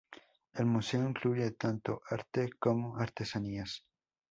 El museo incluye tanto arte como artesanías.